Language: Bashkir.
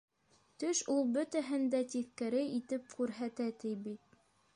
Төш ул бөтәһен дә тиҫкәре итеп күрһәтә ти бит.